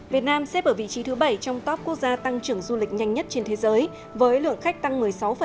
việt nam xếp ở vị trí thứ bảy trong top quốc gia tăng trưởng du lịch nhanh nhất trên thế giới với lượng khách tăng một mươi sáu